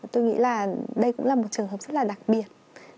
tôi nghĩ là đây cũng là một trường hợp rất là đặc biệt